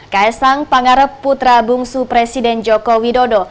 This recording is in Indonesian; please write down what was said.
ks sang pangarep putra bungsu presiden joko widodo